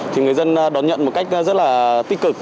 thì người dân đón nhận một cách rất là tích cực